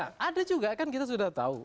ya ada juga kan kita sudah tahu